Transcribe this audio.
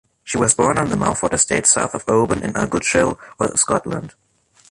She was born on the Melfort estate, south of Oban, in Argyllshire, Scotland.